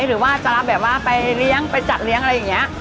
หรือว่าจะรับแบบว่าไปเลี้ยงไปจัดเลี้ยงอะไรอย่างนี้